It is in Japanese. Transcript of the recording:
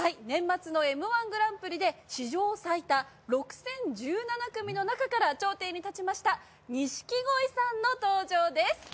年末の『Ｍ−１グランプリ』で史上最多６，０１７組の中から頂点に立ちました錦鯉さんの登場です。